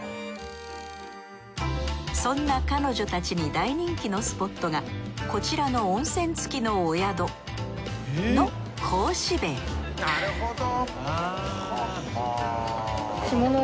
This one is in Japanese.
そんな彼女たちに大人気のスポットがこちらの温泉付きのお宿の格子塀なるほど！